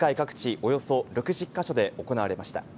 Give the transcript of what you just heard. およそ６０か所で行われました。